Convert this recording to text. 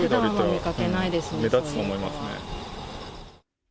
目立つと思いますね。